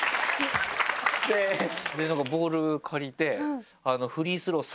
なんかボール借りて。